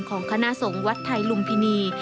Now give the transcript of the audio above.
ของคณะสงฆ์วัดไทยลุมพินี